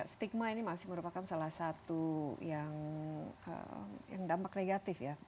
stigma ini masih merupakan salah satu yang dampak negatif ya